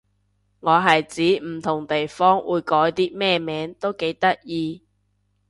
我係指唔同地方會改啲咩名都幾得意